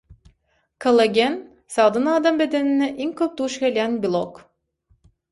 Kollagen sagdyn adam bedeninde iň köp duş gelýän belok.